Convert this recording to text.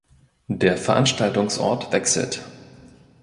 Der Veranstaltungsort wechselt.